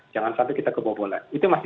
jangan sampai kita kebobolan